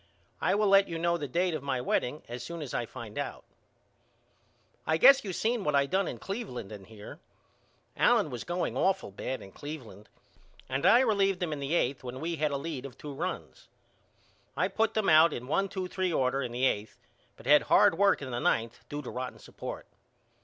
I will let you know the date of my wedding as soon as I find out. I guess you seen what I done in Cleveland and here. Allen was going awful bad in Cleveland and I relieved him in the eighth when we had a lead of two runs. I put them out in one two three order in the eighth but had hard work in the ninth due to rotten support.